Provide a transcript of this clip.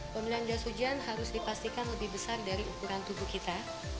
pembelian jas hujan harus dipastikan lebih besar dari ukuran tubuh kita